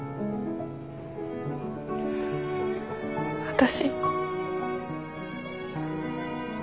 私。